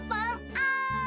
あん。